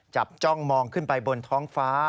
จ้องมองขึ้นไปบนท้องฟ้า